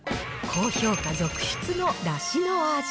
高評価続出のだしの味。